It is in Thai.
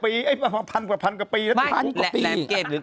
ปีไอ้พันพันกว่าพันกว่าปีไม่พันกว่าปีแหลมเกจหรือ